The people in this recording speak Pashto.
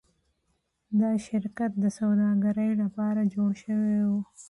دا شرکت د سوداګرۍ لپاره جوړ شوی و.